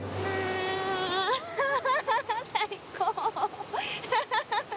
最高！